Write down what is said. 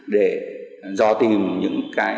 để dò tìm những nguy cơ